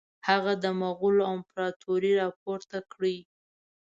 هغه د مغولو امپراطوري را پورته کړي.